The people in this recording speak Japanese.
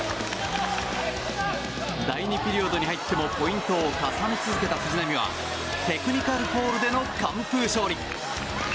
第２ピリオドに入ってもポイントを重ね続けた藤波はテクニカルフォールでの完封勝利。